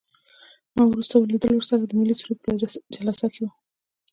زما وروستی لیدل ورسره د ملي سرود په جلسه کې وو.